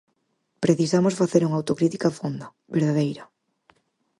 Precisamos facer unha autocrítica fonda, verdadeira.